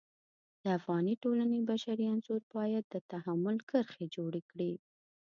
د افغاني ټولنې بشري انځور باید د تحمل کرښې جوړې کړي.